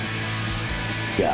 じゃあ。